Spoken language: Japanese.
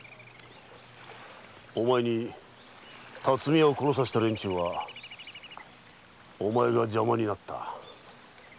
お前に巽屋を殺させた連中はお前が邪魔になった。